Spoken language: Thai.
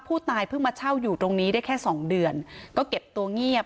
ผู้ตายเพิ่งมาเช่าอยู่ตรงนี้ได้แค่สองเดือนก็เก็บตัวเงียบ